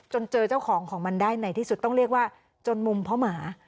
เจอเจ้าของของมันได้ในที่สุดต้องเรียกว่าจนมุมพ่อหมา